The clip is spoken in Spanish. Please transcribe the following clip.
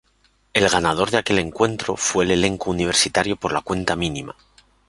El ganador de aquel encuentro fue el elenco universitario por la cuenta mínima.